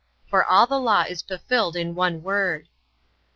For all the Law is fulfilled in one word.